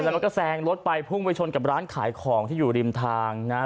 แล้วมันก็แซงรถไปพุ่งไปชนกับร้านขายของที่อยู่ริมทางนะฮะ